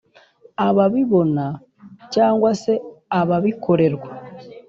ababibona cyangwa se ababikorerwa.